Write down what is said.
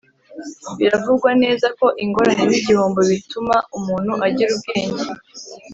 biravugwa neza ko ingorane nigihombo bituma umuntu agira ubwenge.